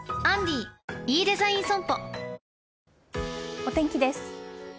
お天気です。